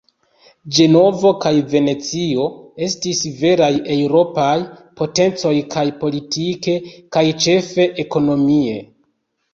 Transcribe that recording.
Ĝenovo kaj Venecio estis veraj eŭropaj potencoj kaj politike kaj ĉefe ekonomie.